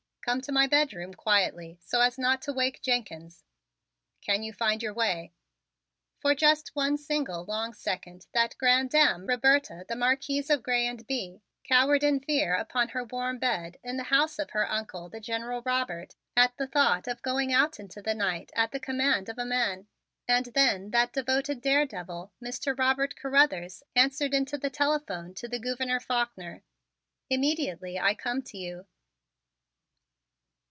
Come to my bedroom quietly so as not to wake Jenkins. Can you find your way?" For just one single long second that grande dame, Roberta, the Marquise of Grez and Bye, cowered in fear upon her warm bed in the house of her Uncle, the General Robert, at the thought of going out into the night at the command of a man, and then that devoted daredevil, Mr. Robert Carruthers, answered into the telephone to the Gouverneur Faulkner: "Immediately I come to you."